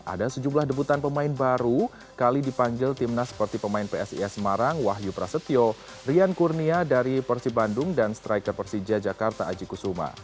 ada sejumlah debutan pemain baru kali dipanggil timnas seperti pemain psis semarang wahyu prasetyo rian kurnia dari persib bandung dan striker persija jakarta aji kusuma